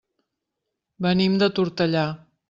Venim de Tortellà.